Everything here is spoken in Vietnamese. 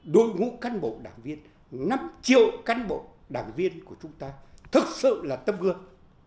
đội ngũ cán bộ đảng viên năm triệu cán bộ đảng viên của chúng ta thực sự là tâm gương